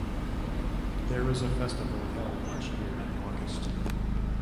There is a festival held each year in August.